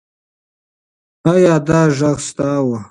ایا دا غږ ستا و؟